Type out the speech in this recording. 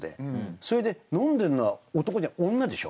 それで飲んでんのは男じゃない女でしょ。